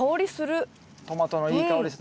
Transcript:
トマトのいい香りすんね。